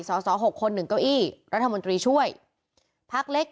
สอสอ๖คนหนึ่งเก้าอี้รัฐมนตรีช่วยพักเล็ก